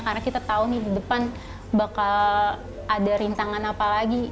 karena kita tahu nih di depan bakal ada rintangan apa lagi